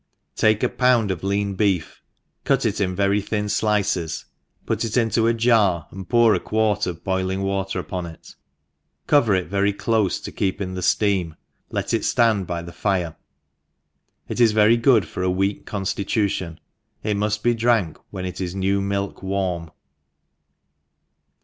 Take a ppund of lean beef, cut it in very fhin dices, put it into ajar, and pour a quart of hpiling water upon it, cover it vei*y clofe to keep 3n the fteam, let it ftand by the fire, it is very jgood for a weak conftitutio'n, it muft be dranfc Vhch it is new milk warm.